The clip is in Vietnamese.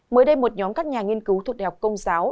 mới đây một nhóm các nhà nghiên cứu thuộc đh công giáo